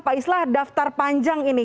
pak islah daftar panjang ini